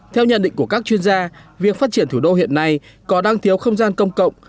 theo nhận định của các chuyên gia việc phát triển thủ đô hiện nay có đang thiếu không gian công cộng